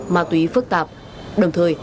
mà tùy phức tạp đồng thời